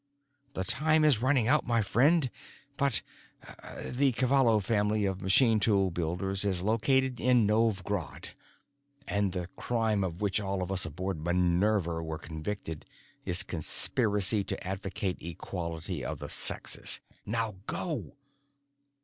"The time is running out, my friend, but—the Cavallo family of machine tool builders is located in Novj Grad. And the crime of which all of us aboard 'Minerva' were convicted is conspiracy to advocate equality of the sexes. Now go!"